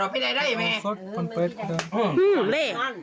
อื้อเล่